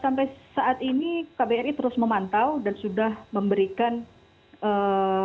sampai saat ini kbri terus memantau dan sudah memberikan ee